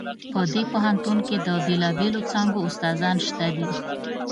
په دې پوهنتون کې د بیلابیلو څانګو استادان شته دي